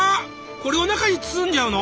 これを中に包んじゃうの？